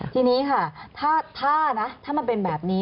ทีนี้ค่ะถ้านะถ้ามันเป็นแบบนี้